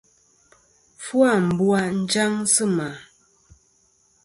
Fu ambu' à njaŋ sɨ mà.